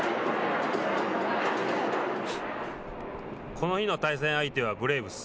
この日の対戦相手はブレーブス。